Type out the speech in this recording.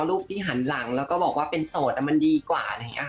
หารูปที่หาหนังการก็บอกว่าเป็นโสดก็มันดีกว่า